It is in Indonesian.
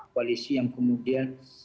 koalisi yang kemudian